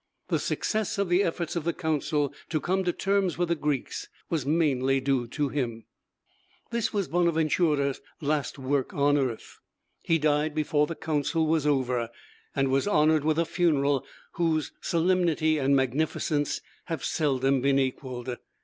The success of the efforts of the council to come to terms with the Greeks was mainly due to him. This was Bonaventura's last work on earth. He died before the council was over, and was honored with a funeral whose solemnity and magnificence have seldom been equaled.